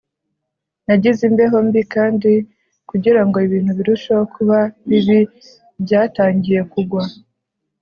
Nagize imbeho mbi kandi kugirango ibintu birusheho kuba bibi byatangiye kugwa